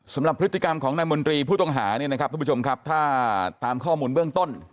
สำหรับพฤติกรรมของนายมนตรีผู้ต้องหาถ้าตามข้อมูลเบื้องต้น